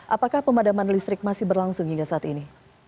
apakah pemadaman listrik masih berlangsung hingga saat ini